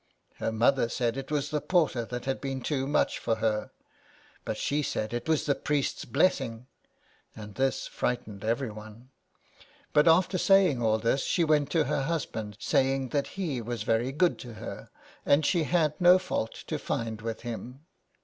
Her mother said it was the porter that had been too much for her; but she said it was the priest's blessing, and this frightened everyone. But, after saying all this, she went to her husband, saying that he was very good to her, and she had no fault to find with him.